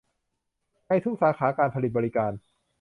ในทุกสาขาการผลิตบริการ